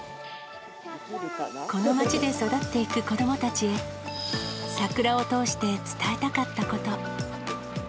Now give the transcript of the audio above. この街で育っていく子どもたちへ、桜を通して伝えたかったこと。